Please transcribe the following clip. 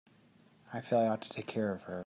I feel I ought to take care of her.